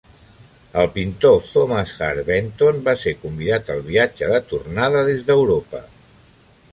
El pintor Thomas Hart Benton va ser convidat al viatge de tornada des d'Europa.